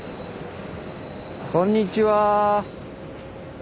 こんにちは。